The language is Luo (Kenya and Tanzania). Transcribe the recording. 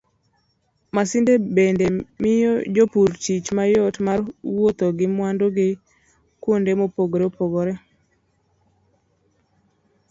Masinde bende miyo jopur tich mayot mar wuotho gi mwandu gi kuonde mopogore opogore.